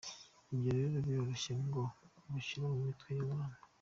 Ibyo rero biroroshye ngo ubishyire mu mitwe y’abantu.